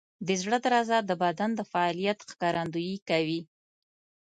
د زړه درزا د بدن د فعالیت ښکارندویي کوي.